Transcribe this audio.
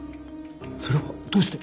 それはどうして？